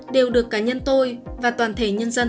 đều được cá nhân tôi và toàn thể nhân dân